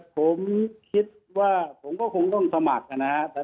ผมคิดว่าผมก็คงต้องสมัครนะครับ